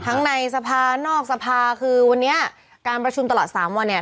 ในสภานอกสภาคือวันนี้การประชุมตลอดสามวันเนี่ย